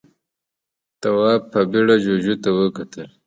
تواب په بيړه جُوجُو ته وکتل.